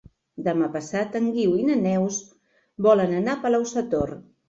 Demà passat en Guiu i na Neus volen anar a Palau-sator.